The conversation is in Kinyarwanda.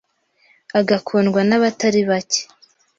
agakundwa n’abatari bacye